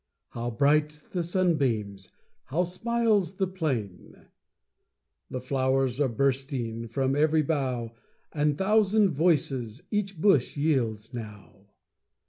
How bright the sunbeams! How smiles the plain! The flow'rs are bursting From ev'ry bough, And thousand voices Each bush yields now.